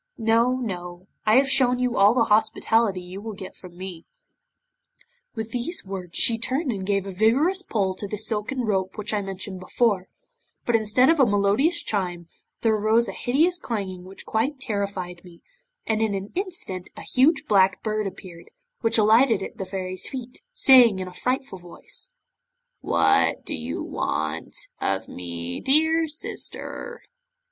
No, no, I have shown you all the hospitality you will get from me." 'With these words she turned and gave a vigorous pull to the silken rope which I mentioned before, but instead of a melodious chime, there arose a hideous clanging which quite terrified me, and in an instant a huge Black Bird appeared, which alighted at the Fairy's feet, saying in a frightful voice '"What do you want of me, my sister?"